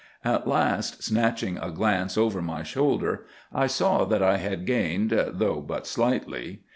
"At last, snatching a glance over my shoulder, I saw that I had gained, though but slightly.